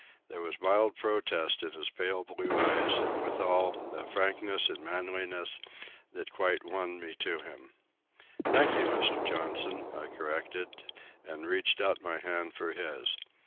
There was mild protest in his pale blue eyes, and withal a timid frankness and manliness that quite won me to him. "Thank you, Mr. Johnson," I corrected, and reached out my hand for his.